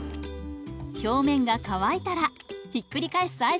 表面が乾いたらひっくり返す合図です。